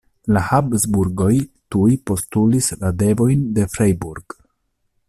La Habsburgoj tuj postulis la devojn de Freiburg.